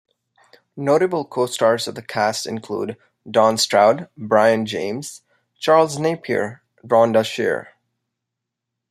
Notable co-stars of the cast include: Don Stroud, Brion James, Charles Napier, Rhonda Shear.